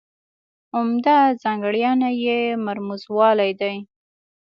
عمده ځانګړنه یې مرموزوالی دی.